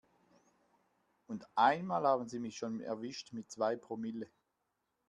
Und einmal haben sie mich schon erwischt mit zwei Promille.